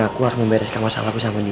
dan aku harus membereskan masalahku sama dia